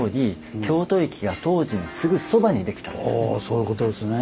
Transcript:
ああそういうことですね。